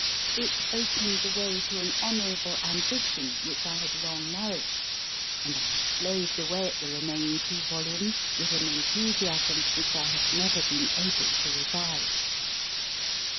It opened the way to an honourable ambition which I had long nourished, and I slaved away at the remaining two volumes with an enthusiasm which I have never been able to revive.